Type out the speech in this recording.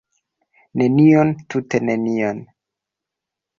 Nenion, tute nenion!